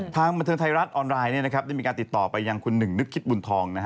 ทางบันเทิงไทยรัฐออนไลน์ได้มีการติดต่อไปยังคุณหนึ่งนึกคิดบุญทอง